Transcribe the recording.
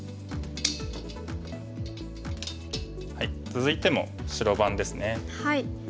続いても白番ですね。